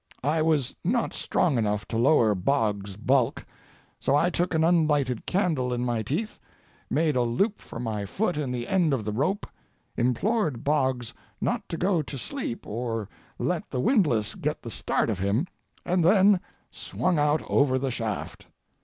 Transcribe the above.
I was not strong enough to lower Boggs's bulk, so I took an unlighted candle in my teeth, made a loop for my foot in the end of the rope, implored Boggs not to go to sleep or let the windlass get the start of him, and then swung out over the shaft.